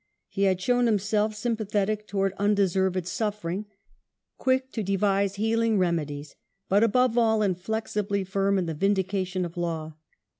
He had shown himself sympathetic to wards undeserved suffering, quick to devise healing remedies, but, above all, inflexibly firm in the vindication of law.